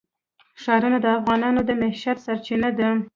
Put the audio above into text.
ښارونه د افغانانو د معیشت سرچینه ده.